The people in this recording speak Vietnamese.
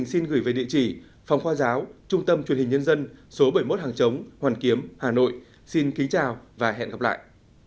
xin chào và hẹn gặp lại